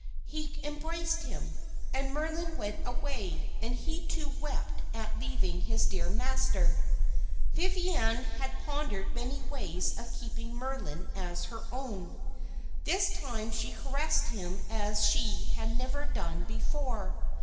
He embraced him, and Merlin went away, and he too wept at leaving his dear master. "Viviane had pondered many ways of keeping Merlin as her own. This time she caressed him as she had never done before.